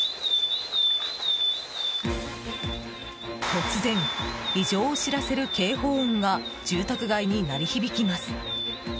突然、異常を知らせる警報音が住宅街に鳴り響きます。